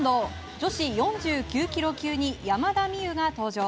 女子４９ｋｇ級に山田美諭が登場。